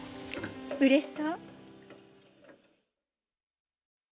うれしそう。